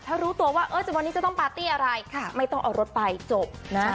ถ้ารู้ตัวว่าวันนี้จะต้องปาร์ตี้อะไรไม่ต้องเอารถไปจบนะ